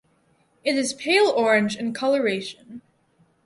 It is pale orange in coloration.